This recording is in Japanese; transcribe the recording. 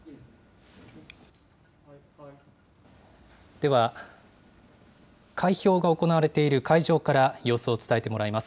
では、開票が行われている会場から様子を伝えてもらいます。